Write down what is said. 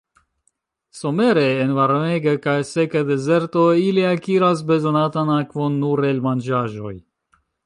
Somere en varmega kaj seka dezerto ili akiras bezonatan akvon nur el manĝaĵoj.